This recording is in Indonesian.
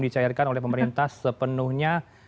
dicairkan oleh pemerintah sepenuhnya